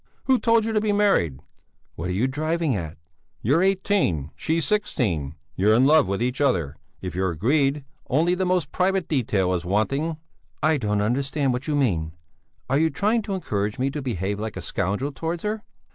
"Who told you to be married?" "What are you driving at?" "You're eighteen, she's sixteen! You're in love with each other! If you're agreed, only the most private detail is wanting." "I don't understand what you mean! Are you trying to encourage me to behave like a scoundrel towards her?"